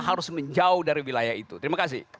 harus menjauh dari wilayah itu terima kasih